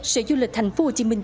sở du lịch thành phố hồ chí minh